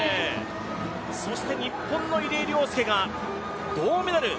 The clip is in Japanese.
そして日本の入江陵介が銅メダル。